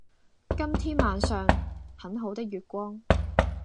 今天晚上，很好的月光。